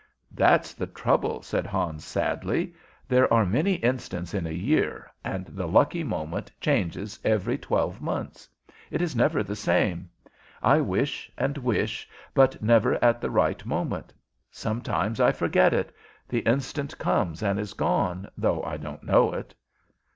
"That's the trouble," said Hans, sadly. "There are many instants in a year, and the lucky moment changes every twelve months. It is never the same. I wish, and wish, but never at the right moment. Sometimes I forget it; the instant comes and is gone, though I don't know it."